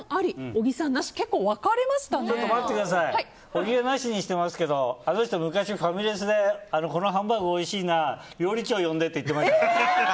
小木はなしにしてますけどあの人、昔ファミレスでこのハンバーグおいしいな料理長呼んでって言ってました。